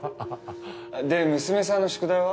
で娘さんの宿題は？